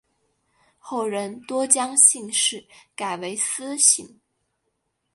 后人多将姓氏改为司姓。